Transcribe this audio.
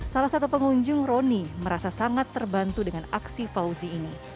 salah satu pengunjung roni merasa sangat terbantu dengan aksi fauzi ini